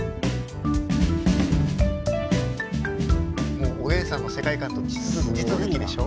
もうおげんさんの世界観と地続きでしょ？